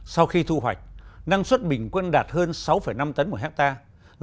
sau khi thu hoạch năng suất bình quân đạt hơn sáu năm tấn một hectare